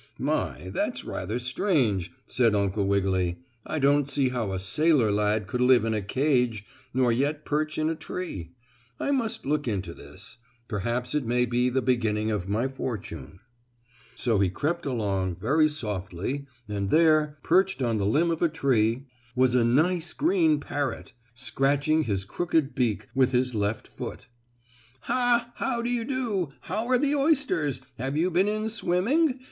"My, that's rather strange," said Uncle Wiggily. "I don't see how a sailor lad could live in a cage, nor yet perch in a tree. I must look into this. Perhaps it may be the beginning of my fortune." So he crept along very softly, and there, perched on the limb of a tree, was a nice green parrot, scratching his crooked beak with his left foot. "Ha! How do you do? How are the oysters? Have you been in swimming?